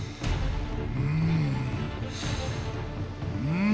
うん！